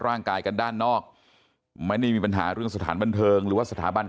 ร่างกายกันด้านนอกไม่ได้มีปัญหาเรื่องสถานบันเทิงหรือว่าสถาบัน